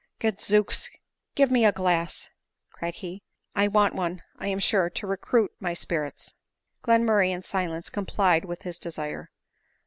" Gadzooks, give me a glass," cried he, "I want one, I am sure, to recruit my spirits." Glenmurray in silence complied with his desire.